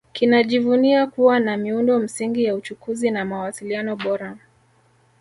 Kinajivuna kuwa na miundo msingi ya uchukuzi na mawasiliano bora